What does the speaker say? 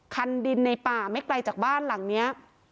คันดินในป่าไม่ไกลจากบ้านหลังนี้